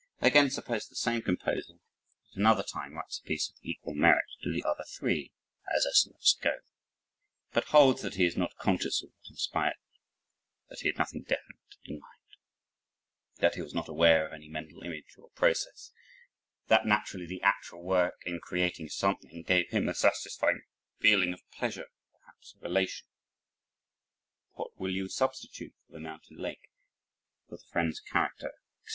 Again suppose the same composer at another time writes a piece of equal merit to the other three, as estimates go; but holds that he is not conscious of what inspired it that he had nothing definite in mind that he was not aware of any mental image or process that, naturally, the actual work in creating something gave him a satisfying feeling of pleasure perhaps of elation. What will you substitute for the mountain lake, for his friend's character, etc.?